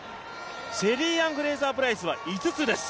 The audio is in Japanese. シェリーアン・フレイザー・プライスは５つです。